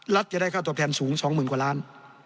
จะได้ค่าตัวแทนสูง๒๐๐๐กว่าล้าน